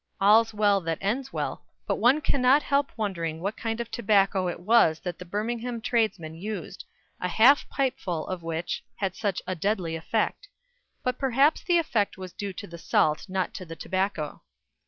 All's well that ends well; but one cannot help wondering what kind of tobacco it was that the Birmingham tradesman used, a half pipeful of which had such a deadly effect but perhaps the effect was due to the salt, not to the tobacco.